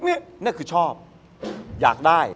เอ้ยเนี่ยคือชอบอยากได้